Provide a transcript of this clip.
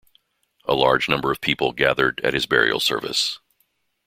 A large number of people gathered at his burial service.